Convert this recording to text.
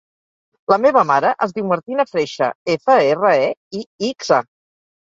La meva mare es diu Martina Freixa: efa, erra, e, i, ics, a.